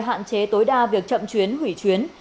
hạn chế tối đa việc chậm chuyến hủy chuyến